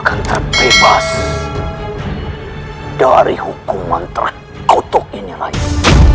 karena dia itu sangat cantik